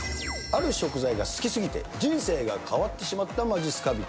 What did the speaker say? ある食材が好きすぎて、人生が変わってしまったまじっすか人。